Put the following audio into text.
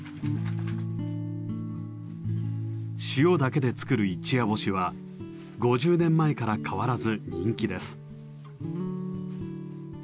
塩だけで作る一夜干しは５０年前から変わらず人気です。